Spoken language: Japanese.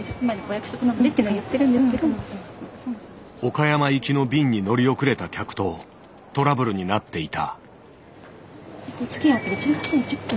岡山行きの便に乗り遅れた客とトラブルになっていた。